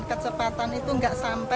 kecepatan itu tidak sama